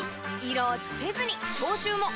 色落ちせずに消臭も！